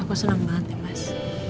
aku senang banget ya mas